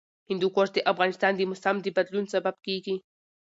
هندوکش د افغانستان د موسم د بدلون سبب کېږي.